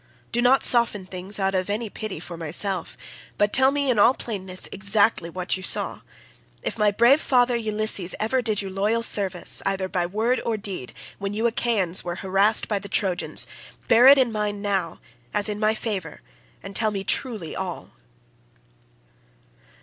Do not soften things out of any pity for myself, but tell me in all plainness exactly what you saw. If my brave father Ulysses ever did you loyal service either by word or deed, when you Achaeans were harassed by the Trojans, bear it in mind now as in my favour and tell me truly all."